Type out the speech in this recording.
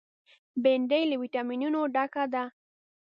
بېنډۍ له ویټامینونو ډکه ده